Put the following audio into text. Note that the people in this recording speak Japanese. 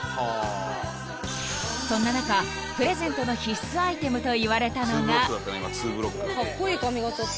［そんな中プレゼントの必須アイテムといわれたのが］